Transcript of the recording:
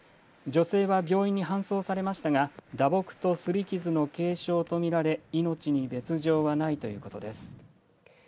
女性は病院に搬送されましたが打撲とすり傷の軽傷と見られ命に別状はないということです。